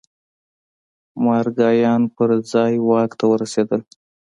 مارګایان پر ځای واک ته ورسېدل.